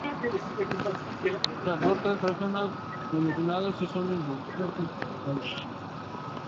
Transporta estrógenos y aminoácidos, es un inmunosupresor.